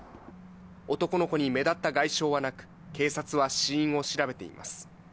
男の子に目立った外傷はなく、警察は死因を調べています。